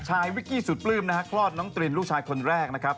วิกกี้สุดปลื้มนะฮะคลอดน้องตรินลูกชายคนแรกนะครับ